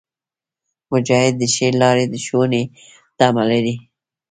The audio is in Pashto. مجاهد د ښې لارې د ښوونې تمه لري.